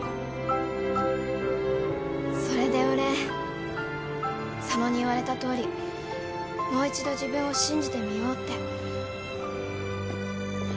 それで俺佐野に言われたとおりもう一度自分を信じてみようって。